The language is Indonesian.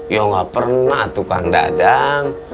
ya gak pernah tuh kang dadang